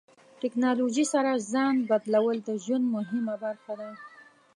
ټکنالوژي سره ځان بلدول د ژوند مهمه برخه ده.